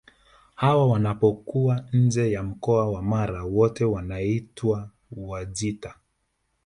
Hawa wanapokuwa nje ya mkoa wa Mara wote wanaitwa Wajita